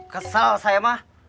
kesel saya mah